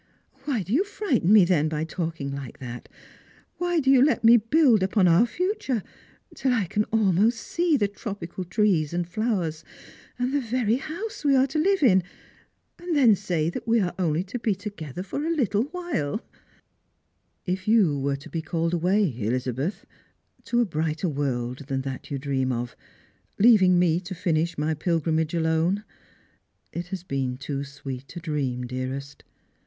" Why do you frighten me, then, by talking like that? "Why do you let me build upon our future, till I can almost see the tropical trees and flowers, and the very house we are to live in, and then say that we are only to be together for a Uttle while?" 392 Strangers and Pilf/rims. " If you were to be called away, Elizabeth, to a brighter world than that you dream of, leaving me to finish my pilgrim age alone? It has been too sweet a dream, dearest.